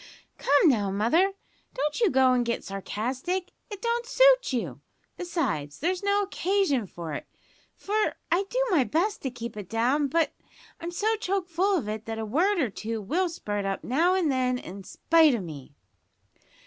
"Come now, mother, don't you go an' get sarcastic. It don't suit you; besides, there's no occasion for it, for I do my best to keep it down, but I'm so choke full of it that a word or two will spurt up now and then in spite o' me."